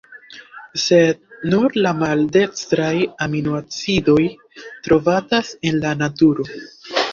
Sed, nur la maldekstraj aminoacidoj trovatas en la naturo.